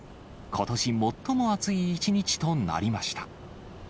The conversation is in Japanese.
ことし最も暑い一日となりました。